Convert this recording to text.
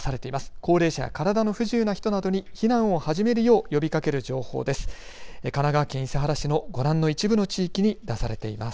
高齢者や体の不自由な人などに避難を始めるよう呼びかける情報です。